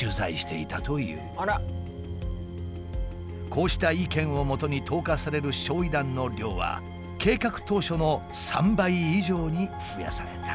こうした意見をもとに投下される焼夷弾の量は計画当初の３倍以上に増やされた。